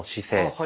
はい。